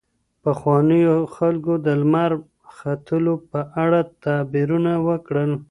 پخوانیو خلګو د لمر ختلو په اړه تعبیرونه وکړل.